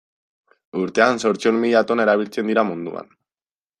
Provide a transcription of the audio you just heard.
Urtean zortziehun mila tona erabiltzen dira munduan.